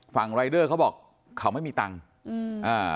รายเดอร์เขาบอกเขาไม่มีตังค์อืมอ่า